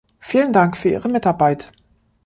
Vielen Dank für Ihre Mitarbeit.